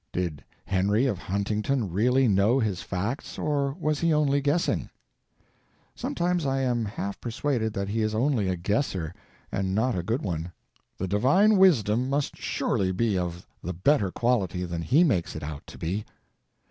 Did Henry of Huntington really know his facts, or was he only guessing? Sometimes I am half persuaded that he is only a guesser, and not a good one. The divine wisdom must surely be of the better quality than he makes it out to be.